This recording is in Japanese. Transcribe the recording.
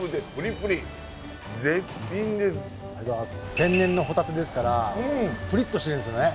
天然のホタテですからプリッとしてるんですよね。